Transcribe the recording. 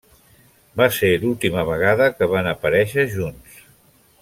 Va ser l'última vegada que van aparèixer junts.